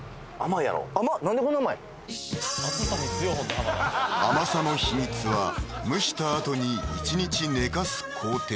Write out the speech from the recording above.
田甘さの秘密は蒸したあとに１日寝かす工程